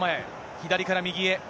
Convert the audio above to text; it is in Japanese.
左から右へ。